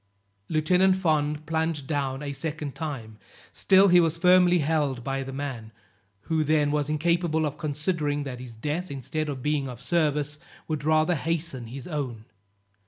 Lieutenant Fond plunged down a second time; still he was firmly held by the man, who then was incapable of considering that his death, instead of being of service, would rather hasten his own.